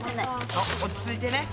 そう落ち着いてね。